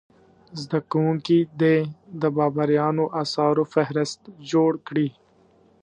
زده کوونکي دې د بابریانو اثارو فهرست جوړ کړي.